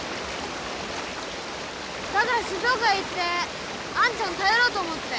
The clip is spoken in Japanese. だから静岡へ行ってあんちゃん頼ろうと思って。